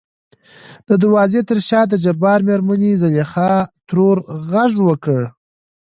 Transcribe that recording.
د دروازې تر شا دجبار مېرمنې زليخا ترور غږ وکړ .